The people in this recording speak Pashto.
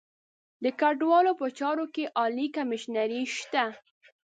د کډوالو په چارو کې عالي کمیشنري شته.